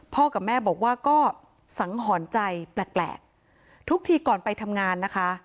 กับแม่บอกว่าก็สังหรณ์ใจแปลกทุกทีก่อนไปทำงานนะคะ